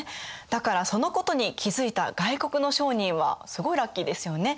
だからそのことに気付いた外国の商人はすごいラッキーですよね。